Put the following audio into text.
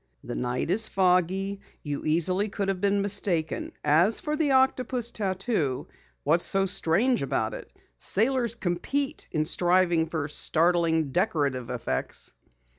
"The night is foggy. You easily could have been mistaken. As for the octopus tattoo, what is so strange about it? Sailors compete in striving for startling decorative effects."